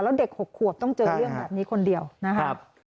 แล้วเด็ก๖ขวบต้องเจอเรื่องแบบนี้คนเดียวนะครับ